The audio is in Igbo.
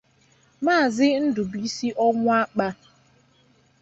Maazị Ndubuisi Onwuakpa